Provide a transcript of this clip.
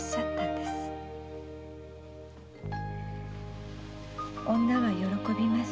女は喜びました。